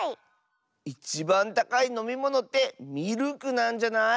いちばんたかいのみものってミルクなんじゃない？